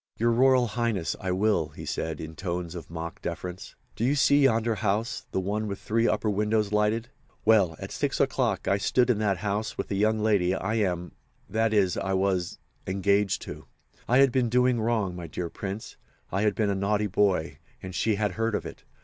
"Your Royal Highness, I will," he said, in tones of mock deference. "Do you see yonder house—the one with three upper windows lighted? Well, at 6 o'clock I stood in that house with the young lady I am—that is, I was—engaged to. I had been doing wrong, my dear Prince—I had been a naughty boy, and she had heard of it.